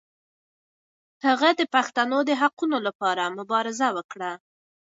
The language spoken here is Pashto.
هغه د پښتنو د حقونو لپاره مبارزه وکړه.